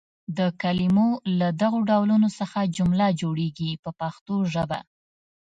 د کلمو له دغو ډولونو څخه جمله جوړیږي په پښتو ژبه.